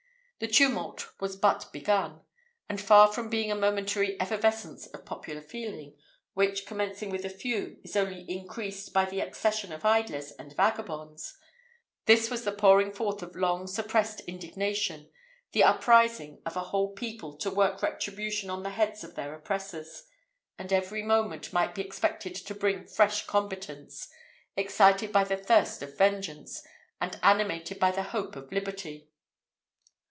The tumult was but begun; and far from being a momentary effervescence of popular feeling, which, commencing with a few, is only increased by the accession of idlers and vagabonds, this was the pouring forth of long suppressed indignation the uprising of a whole people to work retribution on the heads of their oppressors, and every moment might be expected to bring fresh combatants, excited by the thirst of vengeance, and animated by the hope of liberty.